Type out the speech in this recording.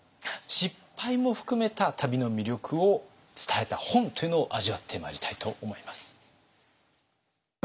失敗も含めた旅の魅力を伝えた本というのを味わってまいりたいと思います。